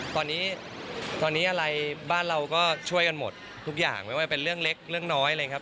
ตอนนี้ตอนนี้อะไรบ้านเราก็ช่วยกันหมดทุกอย่างไม่ว่าเป็นเรื่องเล็กเรื่องน้อยอะไรอย่างนี้ครับ